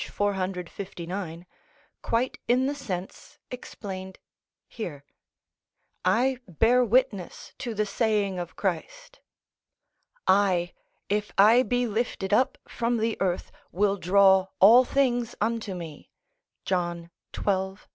459) quite in the sense explained here: "I bear witness to the saying of Christ. I, if I be lifted up from the earth, will draw all things unto me (John xii.